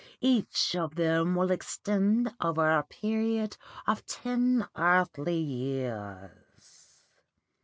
Each of them will extend over a period of ten earthly years.